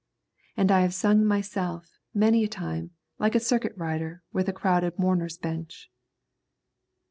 And I have sung myself, many a time, like a circuit rider with a crowded mourner's bench.